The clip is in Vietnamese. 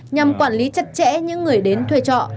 nhằm quản lý chặt chẽ những người đến thuê trọ